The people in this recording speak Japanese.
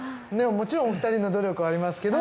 もちろんお二人の努力はありますけど。